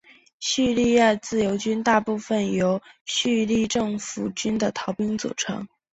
叙利亚自由军大部分由叙政府军的逃兵组成。